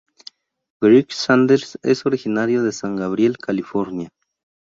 Greg Sanders es originario de San Gabriel, California.